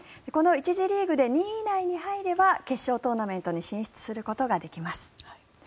この１次リーグで２位以内に入れば決勝トーナメントに進出することができます。